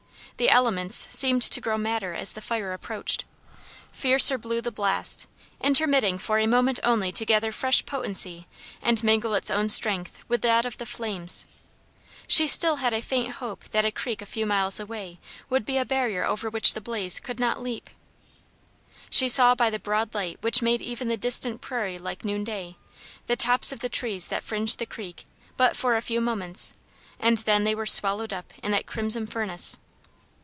The elements seemed to grow madder as the fire approached; fiercer blew the blast, intermitting for a moment only to gather fresh potency and mingle its own strength with that of the flames. She still had a faint hope that a creek a few miles away would be a barrier over which the blaze could not leap. She saw by the broad light which made even the distant prairie like noonday, the tops of the trees that fringed the creek but for a few moments, and then they were swallowed up in that crimson furnace.